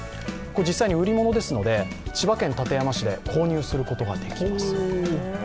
実際に売り物ですので千葉県館山市で購入することができます。